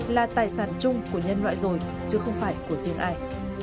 là tài sản chung của nhân loại rồi chứ không phải của riêng ai